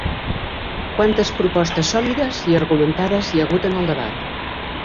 Quantes propostes sòlides i argumentades hi ha hagut en el debat?